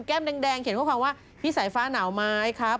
แก้มแดงเขียนความว่าพี่สายฟ้าหนาวไหมครับ